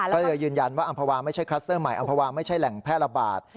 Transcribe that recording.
ก็เลยยืนยันว่าอำภาวาไม่ใช่คลัสเตอร์ใหม่อำภาวาไม่ใช่แหล่งแพร่ระบาด